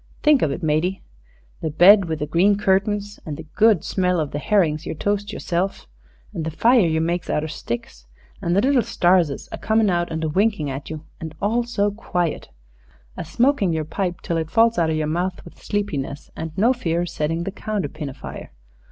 Think of it, matey the bed with the green curtains, and the good smell of the herrings you toasts yerself and the fire you makes outer sticks, and the little starses a comin' out and a winkin' at you, and all so quiet, a smokin' yer pipe till it falls outer yer mouth with sleepiness, and no fear o' settin' the counterpin afire.